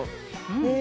うん！